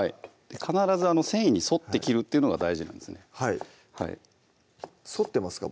必ず繊維に沿って切るっていうのが大事なんですね沿ってますか？